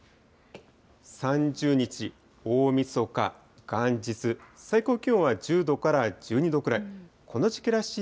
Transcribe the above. ３０日、大みそか、元日、最高気温は１０度から１２度くらい。